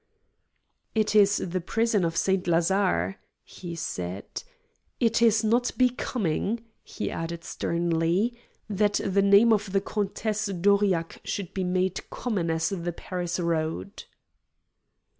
"It is the prison of St. Lazare," he said. "It is not becoming," he added sternly, "that the name of the Countess d'Aurillac should be made common as the Paris road!"